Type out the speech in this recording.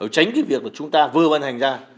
tránh cái việc mà chúng ta vừa văn hành ra